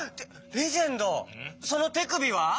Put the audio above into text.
レジェンドそのてくびは！？